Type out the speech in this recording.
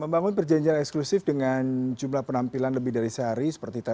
membangun perjanjian eksklusif dengan jumlah penampilan lebih dari sehari seperti tadi